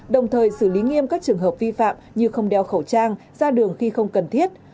đồng thời xử lý nghiêm các trường hợp vi phạm như không đeo khẩu trang ra đường khi không cần thiết